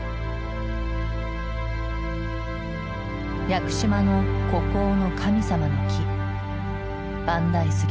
屋久島の孤高の神様の木万代杉。